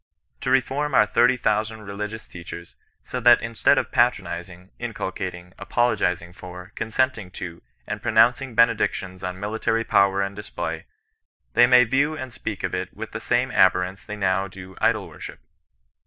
To reform our thirty thousand religious teachers, so that instead of patronizing, incul cating, apologizing for, consenting to, and pronouncing benedictions on military power and display, they may view and speak of it with the same abhorrence they now do idol worship.